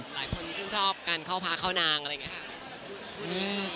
หลายคนชื่นชอบการเข้าพาเข้านางอะไรอย่างนี้ค่ะ